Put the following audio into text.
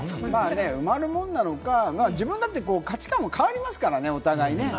埋まるものなのか、自分だって価値観も変わりますからね、お互いね。